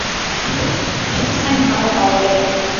Shetani hauna uwezo.